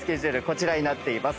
こちらになっています。